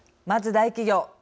まず、大企業。